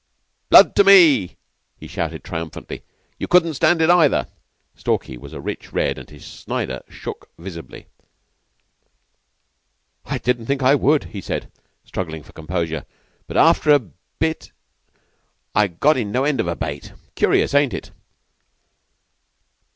"Blood to me!" he shouted triumphantly. "You couldn't stand it, either." Stalky was a rich red, and his Snider shook visibly. "I didn't think I would," he said, struggling for composure, "but after a bit I got in no end of a bait. Curious, ain't it?"